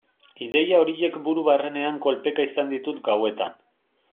Ideia horiek buru barrenean kolpeka izan ditut gauetan.